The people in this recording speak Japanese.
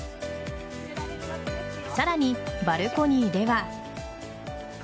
さらにバルコニーでは。